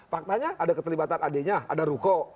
faktanya ada keterlibatan adiknya ada ruko